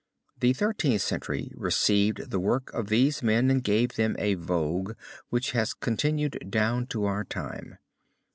The Thirteenth Century received the work of these men and gave them a vogue which has continued down to our own time.